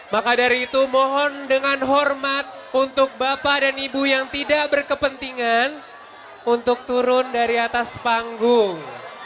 maka dari itu mohon dengan hormat untuk bapak dan ibu yang tidak berkepentingan untuk turun dari atas panggung